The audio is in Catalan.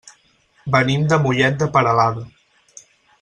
Venim de Mollet de Peralada.